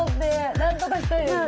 なんとかしたいですね。